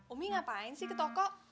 umi ngapain sih ke toko